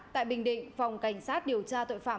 tại bình định phòng cảnh sát điều tra tội phạm